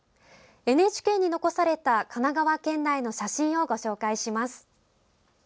ＮＨＫに残された神奈川県内の写真をご紹介します。